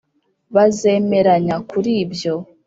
bazemeranya kuri ibyo.